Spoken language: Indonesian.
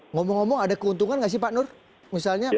ngomong ngomong ada keuntungan nggak sih pak nur misalnya